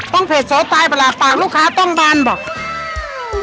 ต้องเผ็ดโสดตายประหลาดปากลูกค้าต้องบานเหรอ